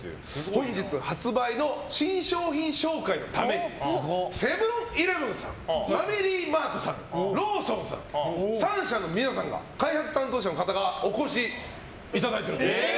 本日発売の新商品紹介のためにセブン‐イレブンさんファミリーマートさんローソンさん、３社の皆さんが開発担当者の方がお越しいただいてます。